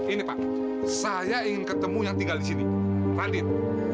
ini pak saya ingin ketemu yang tinggal di sini radit